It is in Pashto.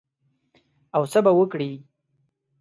او څه به وکړې؟